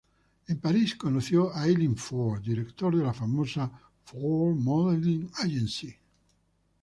En París conoció a Eileen Ford, director de la famosa Ford Modeling Agency.